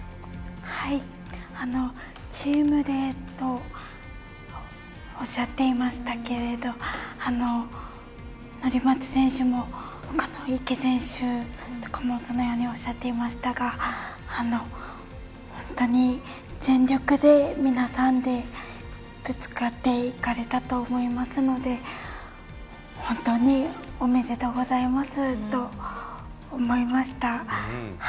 チームでとおっしゃっていましたけれども乗松選手も池選手とかもそのようにおっしゃっていましたが本当に全力で皆さんでぶつかっていかれたと思いますので本当におめでとうございますと思いました。